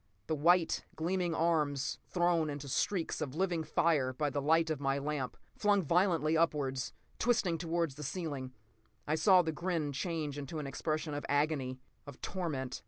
The white, gleaming arms, thrown into streaks of living fire by the light of my lamp, flung violently upwards, twisting toward the ceiling. I saw the grin change to an expression of agony, of torment.